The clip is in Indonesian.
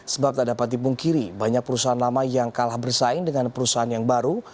sebab tak dapat dipungkiri banyak perusahaan lama yang kalah bersaing dengan perusahaan yang baru